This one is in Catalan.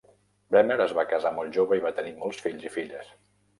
Bremner es va casar molt jove i va tenir molts fills i filles.